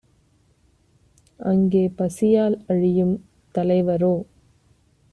அங்கே பசியால் அழியும் தலைவரோ